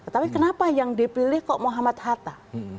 tapi kenapa yang dipilih kok muhammad hatta